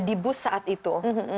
di bus saat itu